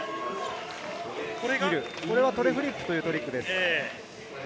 これはトレフリップというトリックです。